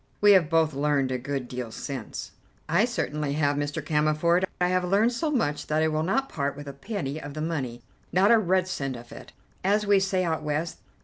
We have both learned a good deal since." "I certainly have, Mr. Cammerford. I have learned so much that I will not part with a penny of the money; not a red cent of it, as we say out West.